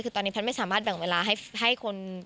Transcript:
คือตอนนี้แพทย์ไม่สามารถแบ่งเวลาให้คน